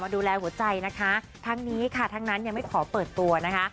ดูแลหัวใจนะคะทั้งนี้ค่ะทั้งนั้นยังไม่ขอเปิดตัวนะคะ